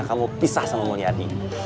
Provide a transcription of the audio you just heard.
kamu pisah sama mulyadi